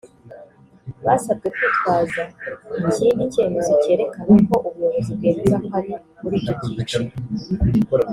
basabwe kwitwaza ikindi cyemezo cyerekana ko ubuyobozi bwemeza ko ari muri icyo cyiciro